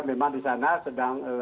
memang di sana sedang